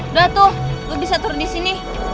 udah tuh lu bisa turun di sini